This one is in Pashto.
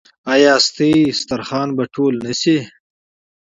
ایا ستاسو دسترخوان به ټول نه شي؟